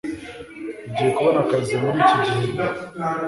Ugiye kubona akazi muri iki gihembwe?